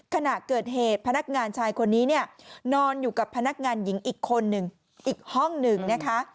ขณะเกิดเหตุพนักงานชายคนนี้เนี่ยนอนอยู่กับพนักงานหญิงอีกคนหนึ่งอีกห้องหนึ่งนะคะ